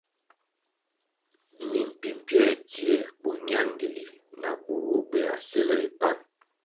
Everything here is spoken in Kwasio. Mi mpimpier dzie bo ñandili na bur bubuéa sil ri pan.